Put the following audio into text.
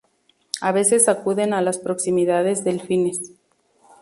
A veces acuden a las proximidades delfines.